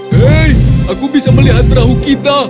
hei aku bisa melihat perahu kita